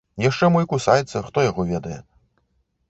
Яшчэ мо і кусаецца, хто яго ведае.